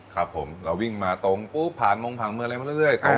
ครับผมเราวิ่งมาตรงปุ๊บผ่านมงผ่านเมืองอะไรมาเรื่อย